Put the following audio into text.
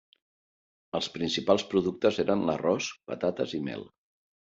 Els principals productes eren l'arròs, patates i mel.